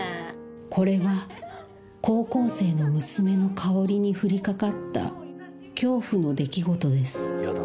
これは高校生の娘の香織に降りかかった恐怖の出来事です